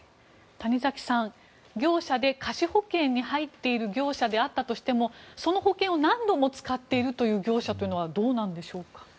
谷崎さん、業者で瑕疵保険に入っている業者だったとしてもその保険を何度も使っている業者というのはどうなんでしょうか？